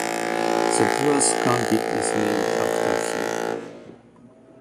The Duras Gambit is named after him.